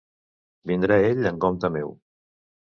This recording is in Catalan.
Vindrà ell en compte meu.